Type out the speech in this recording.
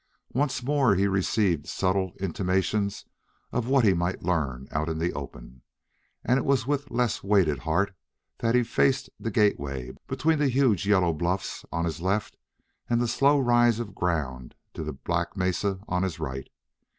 Once more he received subtle intimations of what he might learn out in the open; and it was with a less weighted heart that he faced the gateway between the huge yellow bluffs on his left and the slow rise of ground to the black mesa on his right.